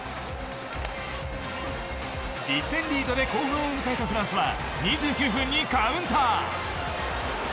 １点リードで後半を迎えたフランスは２９分にカウンター！